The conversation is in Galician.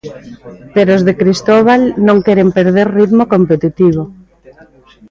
Pero os de Cristóbal non queren perder ritmo competitivo.